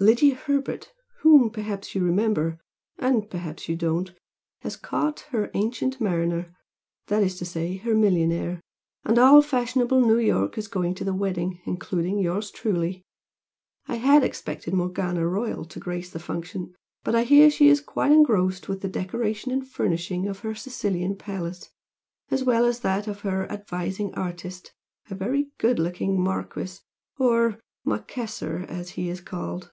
Lydia Herbert, whom perhaps you remember, and perhaps you don't, has caught her 'ancient mariner' that is to say, her millionaire, and all fashionable New York is going to the wedding, including yours truly. I had expected Morgana Royal to grace the function, but I hear she is quite engrossed with the decoration and furnishing of her Sicilian palace, as well as with her advising artist, a very good looking Marquis or Marchese as he is called.